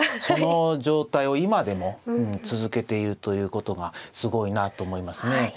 その状態を今でも続けているということがすごいなと思いますね。